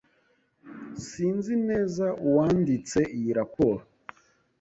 Sinzi neza uwanditse iyi raporo.